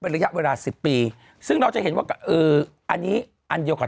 ระยะเวลาสิบปีซึ่งเราจะเห็นว่าเอออันนี้อันเดียวกับ